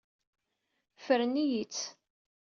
Ffren-iyi-tt.